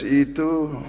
kayaknya psi itu